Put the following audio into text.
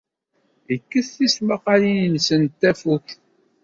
Yekkes tismaqqalin-nnes n tafukt.